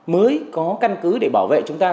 mới có căn cứ để bảo vệ chúng ta